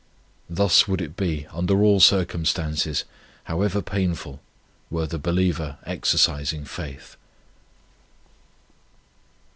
Thus would it be under all circumstances, however painful, were the believer exercising faith."